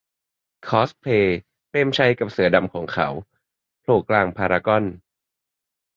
คอสเพลย์ "เปรมชัยกับเสือดำของเขา" โผล่กลางพารากอน